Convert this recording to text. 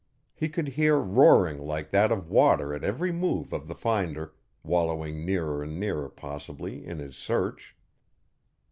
He could hear roaring like that of water at every move of the finder, wallowing nearer and nearer possibly, in his search.